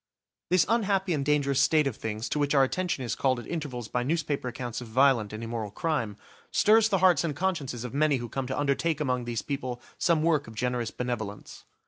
This unhappy and dangerous state of things, to which our attention is called at intervals by newspaper accounts of violent and immoral crime, stirs the hearts and consciences of many who come to undertake among these people some work of generous benevolence.